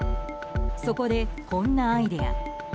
そこでこんなアイデア。